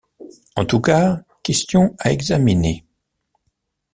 En tout cas, question à examiner.